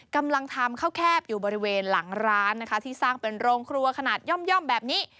กำลังทำข้าวแคบอยู่บริเวณหลังร้านนะคะที่สร้างเป็นโรงครัวขนาดย่อมแบบนี้